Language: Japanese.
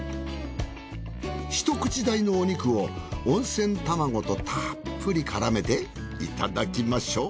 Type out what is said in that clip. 一口大のお肉を温泉卵とたっぷり絡めていただきましょう。